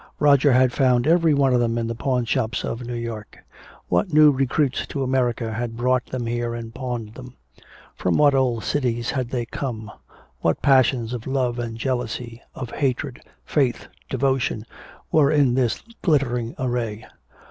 Roger had found every one of them in the pawnshops of New York. What new recruits to America had brought them here and pawned them? From what old cities had they come? What passions of love and jealousy, of hatred, faith, devotion were in this glittering array?